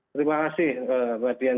terima kasih mbak dian